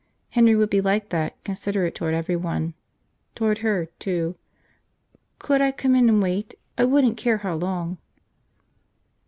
Henry would be like that, considerate toward everyone. Toward her, too. "Could I come in and wait? I wouldn't care how long!"